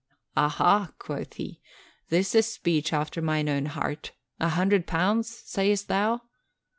"'Aha!'" quoth he, "'this is speech after mine own heart. A hundred pounds, sayest thou?